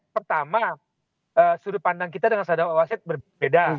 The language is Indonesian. pertama sudut pandang kita dengan sadar wasit berbeda